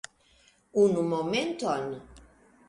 Unu momenton